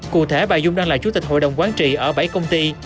cụ thể bà dung đang là chủ tịch hội đồng quán trị ở bảy công ty